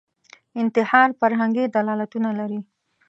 انتحار فرهنګي دلالتونه لري